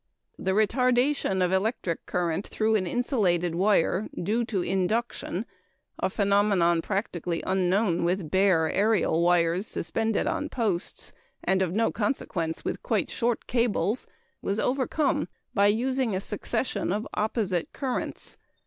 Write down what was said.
The retardation of the electric current through an insulated wire due to induction a phenomenon practically unknown with bare, aerial wires suspended on posts, and of no consequence with quite short cables was overcome by using a succession of opposite currents.